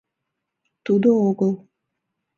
— Тудо огыл...